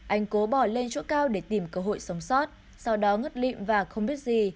anh cố bỏ lên chỗ cao để tìm cơ hội sống sót sau đó ngất lịm và không biết gì